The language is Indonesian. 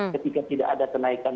ketika tidak ada kenaikan